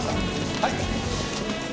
はい。